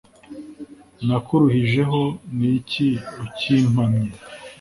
Nakuruhijeho ni iki ukimpamye